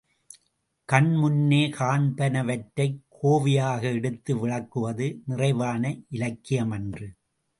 கண்முன்னே காண்பனவற்றைக் கோவையாக எடுத்து விளக்குவது நிறைவான இலக்கியமன்று.